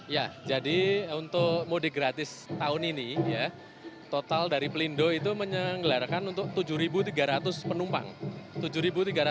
ya jadi untuk mudik gratis tahun ini total dari pelindo itu menyenggelarkan untuk tujuh tiga ratus penumpang